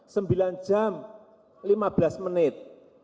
sembilan jam lima belas menit